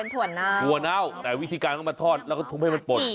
เป็นถั่วเน่าแต่วิธีการเขามาทอดแล้วก็ทุ่มให้มันปลด